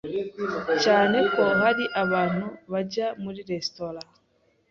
cyane ko hari abantu bajya muri restaurants,